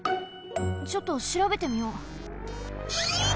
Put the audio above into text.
ちょっとしらべてみよう。